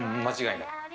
間違いない。